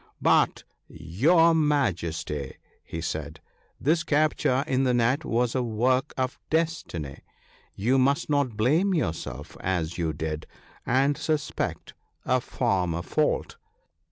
' But, your Majesty/ he said, ' this capture in the net was a work of destiny ; you must not blame yourself as you did, and suspect a former fault.